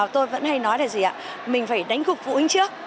tôi vẫn hay nói là gì ạ mình phải đánh cục vụ in trước